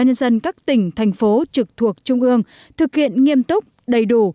chủ tịch ubnd các tỉnh thành phố trực thuộc trung ương thực hiện nghiêm túc đầy đủ